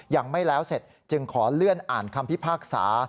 ยังไม่แล้วเสร็จจึงขอเลื่อนอ่านคำพิพากษา